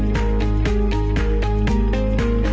กลับมาที่นี่